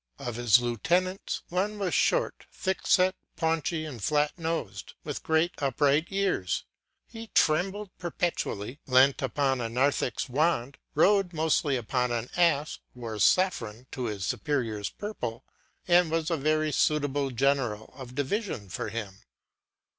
Of his lieutenants, one was short, thick set, paunchy, and flat nosed, with great upright ears; he trembled perpetually, leant upon a narthex wand, rode mostly upon an ass, wore saffron to his superior's purple, and was a very suitable general of division for him.